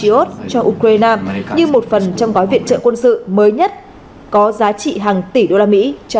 mỹ sẽ đưa tiền tiến patriot cho ukraine như một phần trong gói viện trợ quân sự mới nhất có giá trị hàng tỷ đô la mỹ cho kiev